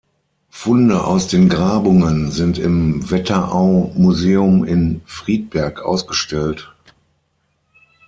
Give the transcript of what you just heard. Funde aus den Grabungen sind im Wetterau-Museum in Friedberg ausgestellt.